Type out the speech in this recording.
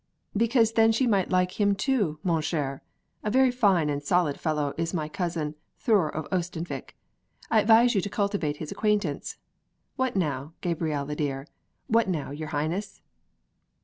"Because then she might like him too, mon cher! A very fine and solid fellow is my cousin Thure of Oestanvik. I advise you to cultivate his acquaintance. What now, Gabrielle dear, what now, your Highness?"